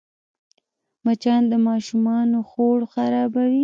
مچان د ماشومانو خوړ خرابوي